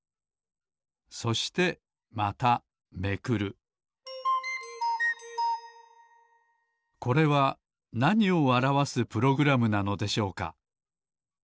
そしてまためくるこれはなにをあらわすプログラムなのでしょうか？